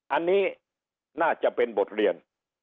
อันนี้น่าจะเป็นบทเรียน